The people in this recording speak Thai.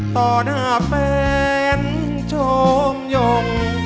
ต่อหน้าเป็นโชงยง